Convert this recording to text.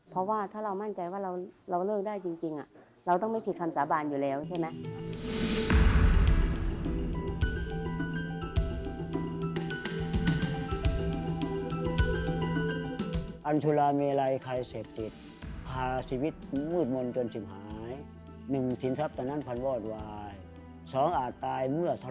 เพราะว่าถ้าเรามั่นใจว่าเราเลิกได้จริงเราต้องไม่ผิดคำสาบานอยู่แล้วใช่ไหม